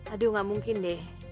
aduh ga mungkin deh